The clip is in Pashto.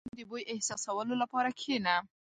• د باران د بوی احساسولو لپاره کښېنه.